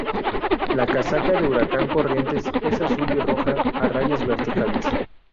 La casaca de Huracán Corrientes es azul y roja a rayas verticales.